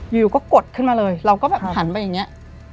อยู่ก็กดขึ้นมาเลยเราก็แบบหันไปอย่างนี้